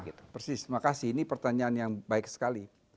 ya persis terima kasih ini pertanyaan yang baik sekali